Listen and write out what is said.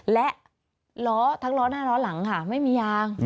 และล้อทั้งล้อหน้าล้อหลังค่ะไม่มียาง